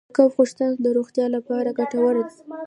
د کب غوښه د روغتیا لپاره ګټوره ده.